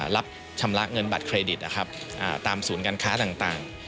รับชำระเงินบัตรเครดิตตามศูนย์การค้าต่าง